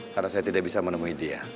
karena saya tidak bisa menemui dia